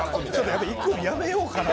やっぱり行くのやめようかな